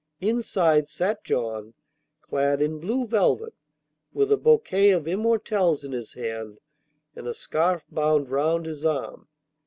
Inside sat John, clad in blue velvet, with a bouquet of immortelles in his hand and a scarf bound round his arm.